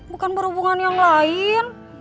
bukan berhubungan yang lain